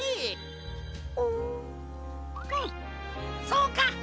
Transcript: そうか！